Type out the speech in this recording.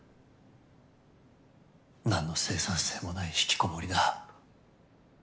何の生産性もない引きこもりだ。